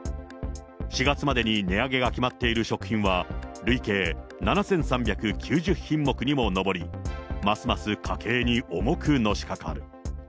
４月までに値上げが決まっている食品は、累計７３９０品目にも上り、ますます家計に重くのしかかる。